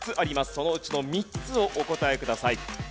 そのうちの３つをお答えください。